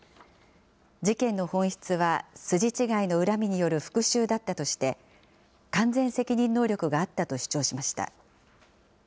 事件の本質は、筋違いの恨みによる復しゅうだったとして、完全責任能力があったと主張しました。